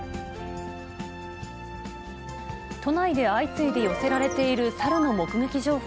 都内で相次いで寄せられている猿の目撃情報。